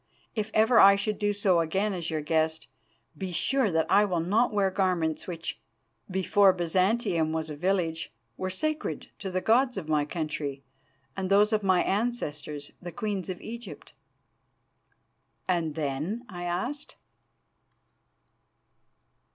If ever I should do so again as your guest, be sure that I will not wear garments which, before Byzantium was a village, were sacred to the gods of my country and those of my ancestors the Queens of Egypt.'" "And then?" I asked.